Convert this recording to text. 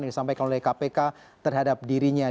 yang disampaikan oleh kpk terhadap dirinya